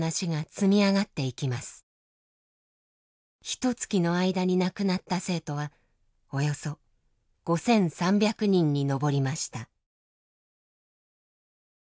ひとつきの間に亡くなった生徒はおよそ５，３００人に上りました。